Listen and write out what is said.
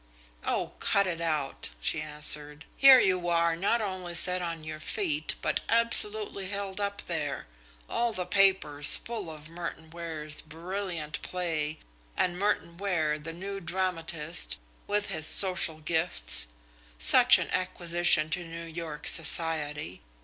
"Oh, cut it out!" she answered. "Here you are not only set on your feet but absolutely held up there; all the papers full of Merton Ware's brilliant play, and Merton Ware, the new dramatist, with his social gifts such an acquisition to New York Society!